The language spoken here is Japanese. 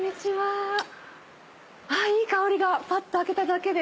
あっいい香りがパッと開けただけで。